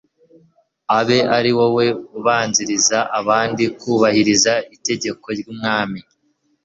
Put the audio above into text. abe ari wowe ubanziriza abandi kubahiriza itegeko ry'umwami